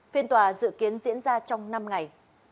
phiên tòa dự kiến diễn ra trong năm ngày